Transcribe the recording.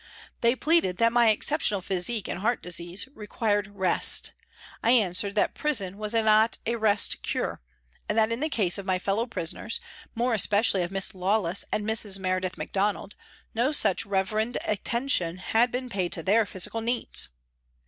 They pleaded that my exceptional physique and heart disease required " rest." I answered that prison was not a " rest cure " and that in the case of my fellow prisoners, more especially of Miss Lawless and Mrs. Meredith Macdonald, no such reverend attention had been paid to their physical needs.